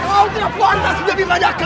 kau tidak puas hati menjadi badak kami